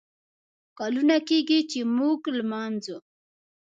کلونه کیږي ، چې موږه لمانځو